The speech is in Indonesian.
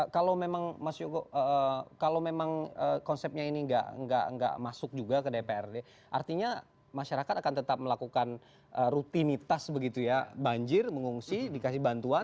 kalau memang mas yoko kalau memang konsepnya ini nggak masuk juga ke dprd artinya masyarakat akan tetap melakukan rutinitas begitu ya banjir mengungsi dikasih bantuan